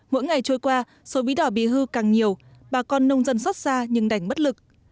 mỗi ngày trôi qua số bí đỏ bị hư càng nhiều bà con nông dân xót xa nhưng đành bất lực